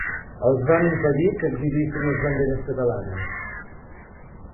Els van impedir que exhibissin les banderes catalanes.